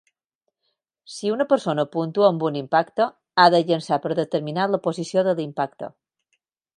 Si una persona puntua amb un impacte, ha de llençar per determinar la posició de l"impacte.